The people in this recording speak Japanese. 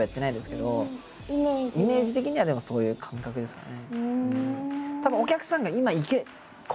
イメージ的にはでもそういう感覚ですかね。